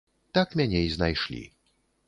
Так мяне і знайшлі.